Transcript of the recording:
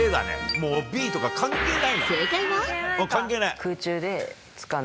もうＢとか関係ないもん。